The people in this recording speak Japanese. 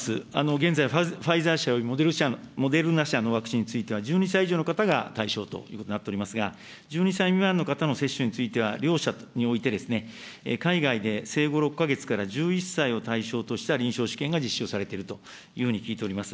現在、ファイザー社およびモデルナ社のワクチンについては、１２歳以上の方が対象ということになっておりますが、１２歳未満の方の接種については、両社において、海外で生後６か月から１１歳を対象とした臨床試験が実施をされているというふうに聞いております。